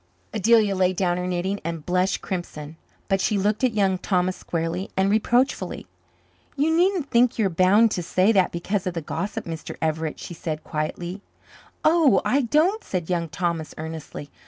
Adelia laid down her knitting and blushed crimson. But she looked at Young Thomas squarely and reproachfully. "You needn't think you are bound to say that because of the gossip, Mr. Everett," she said quietly. "Oh, I don't," said Young Thomas earnestly.